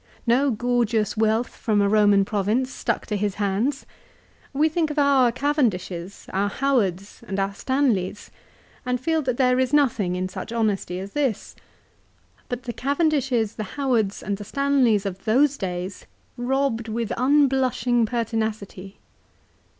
No gorgeous wealth from a Eoman province CICERO'S RELIGION: 401 stuck to his hands. We think of our Cavendishes, our Howards, and our Stanleys, and feel that there is nothing in such honesty as this. But the Cavendishes, the Howards, and the Stanleys of those days robbed with unblushing pertinacity.